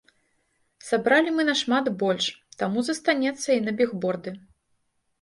Сабралі мы нашмат больш, таму застанецца і на бігборды.